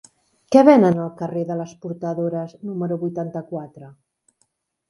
Què venen al carrer de les Portadores número vuitanta-quatre?